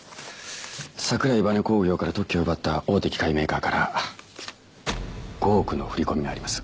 桜井バネ工業から特許を奪った大手機械メーカーから５億の振り込みがあります。